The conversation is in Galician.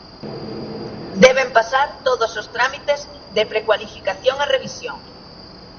Deben pasar todos os trámites de precualificación e revisión.